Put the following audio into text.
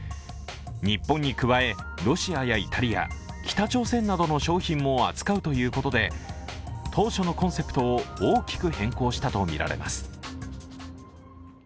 日本に加えロシアやイタリア、北朝鮮などの商品も扱うということで当初のコンセプトを大きく変更したとみられます。